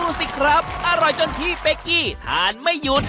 สิครับอร่อยจนพี่เป๊กกี้ทานไม่หยุด